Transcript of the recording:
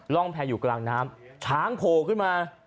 ร่องแพรอยู่กลางน้ำช้างโผล่ขึ้นมา